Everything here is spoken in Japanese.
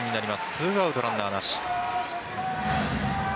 ２アウトランナーなし。